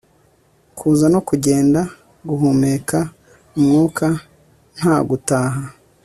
kuza no kugenda, guhumeka umwuka, nta gutaka